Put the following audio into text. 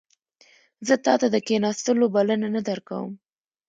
زه تا ته د کښیناستلو بلنه نه درکوم